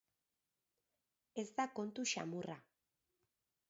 Ez da kontu xamurra.